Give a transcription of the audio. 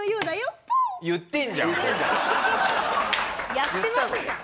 やってますやん。